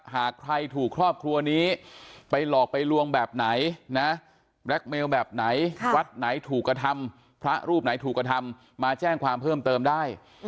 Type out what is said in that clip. หากใครถูกครอบครัวนี้ไปหลอกไปลวงแบบไหนนะแบล็คเมลแบบไหนวัดไหนถูกกระทำพระรูปไหนถูกกระทำมาแจ้งความเพิ่มเติมได้